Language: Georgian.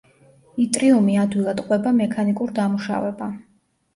იტრიუმი ადვილად ყვება მექანიკურ დამუშავება.